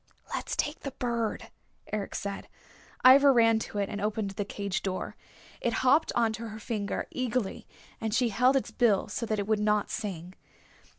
"Let's take the bird," Eric said. Ivra ran to it, and opened the cage door. It hopped onto her finger eagerly, and she held its bill so that it would not sing.